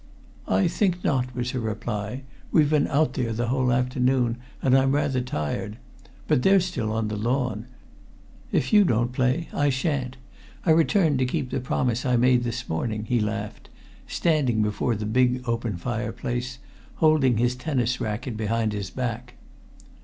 "I think not," was her reply. "We've been out there the whole afternoon, and I'm rather tired. But they're still on the lawn. You can surely get a game with someone." "If you don't play, I shan't. I returned to keep the promise I made this morning," he laughed, standing before the big open fireplace, holding his tennis racquet behind his back.